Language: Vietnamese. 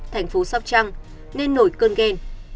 thành phố sóc trăng nên nổi cơn ghen